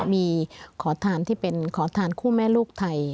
มีขอทานที่เป็นขอทานคู่แม่ลูกไทย